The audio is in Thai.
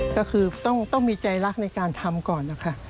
ก็คือต้องมีใจรักในการทำก่อนนะคะ